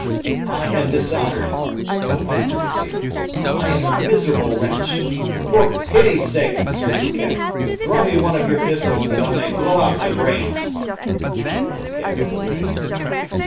"I am dishonored!" thought the musketeer; "I am a miserable wretch! for pity's sake, M. Fouquet, throw me one of your pistols, that I may blow out my brains!" But Fouquet rode away.